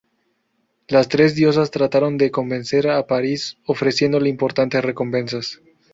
Las tres diosas trataron de convencer a Paris ofreciendole importantes recompensas.